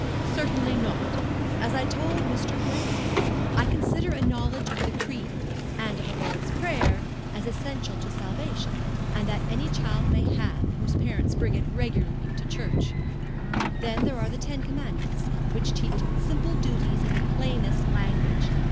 "Certainly not. As I told Mr. Gray. I consider a knowledge of the Creed, and of the Lord's Prayer, as essential to salvation; and that any child may have, whose parents bring it regularly to church. Then there are the Ten Commandments, which teach simple duties in the plainest language.